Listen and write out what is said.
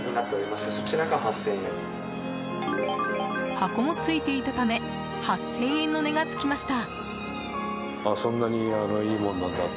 箱も付いていたため８０００円の値がつきました。